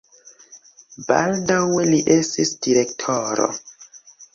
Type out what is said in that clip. Baldaŭe li estis direktoro.